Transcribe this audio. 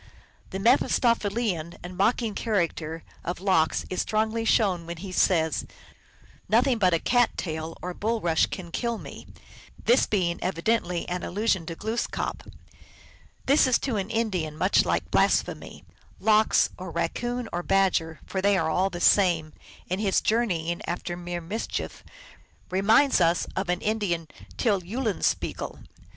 The Mephistophelian and mocking character of Lox is strongly shown when he says, " Nothing but a cat tail or bulrush can kill me," this being evidently an allusion to Glooskap. This is to 186 THE ALGONQUIN LEGENDS. an Indian much like blasphemy. Lox, or Raccoon, or Badger, for they are all the same, in his journey ings after mere mischief reminds us of an Indian Tyll Eulenspiegel.